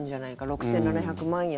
６７００万円。